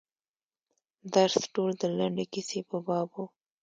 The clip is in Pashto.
درس ټول د لنډې کیسې په باب و.